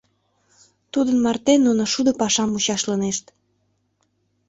Тудын марте нуно шудо пашам мучашлынешт.